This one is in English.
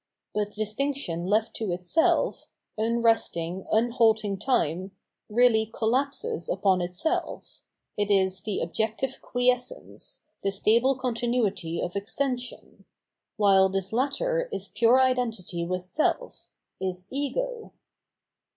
But distinction left to itself, unresting, unhalting time, really collapses upon itself ; it is the objective quiescence, the stable continuity of extension ; while this latter is pure identity with self — is Ego.